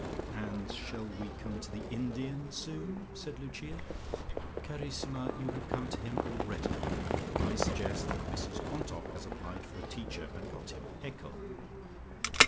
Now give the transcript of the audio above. "And shall we come to the Indian soon?" said Lucia. "Carissima, you have come to him already. I suggest that Mrs Quantock has applied for a teacher and got him. _Ecco!